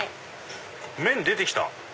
麺出てきた！